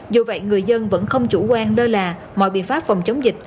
dù vậy người dân vẫn không chủ quan lơ là mọi biện pháp phòng chống dịch